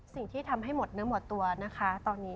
สิ่งที่ทำให้หมดเนื้อหมดตัวนะคะตอนนี้